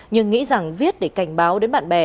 nhưng nghĩ rằng viết để cảnh báo đến bạn bè